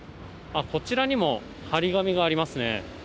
こちらにも貼り紙がありますね。